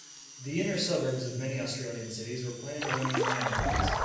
The inner suburbs of many Australian cities were planned around tram lines.